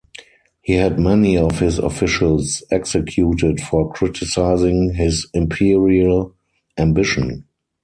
He had many of his officials executed for criticizing his imperial ambition.